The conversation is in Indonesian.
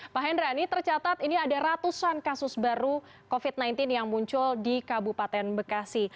pak hendra ini tercatat ini ada ratusan kasus baru covid sembilan belas yang muncul di kabupaten bekasi